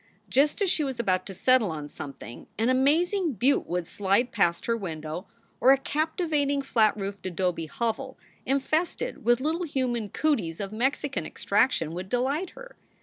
Just as she was about to settle on something an amazing butte would slide past her window, or a captivating flat roofed adobe hovel infested with little human cooties of Mexican extrac tion would delight her.